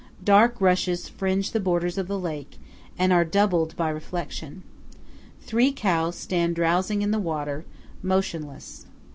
Dark rushes fringe the borders of the lake, and are doubled by reflection. Three cows stand drowsing in the water, motionless.